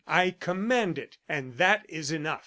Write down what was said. I command it and that is enough."